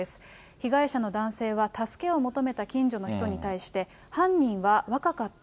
被害者の男性は、助けを求めた近所の人に対して、犯人は若かった。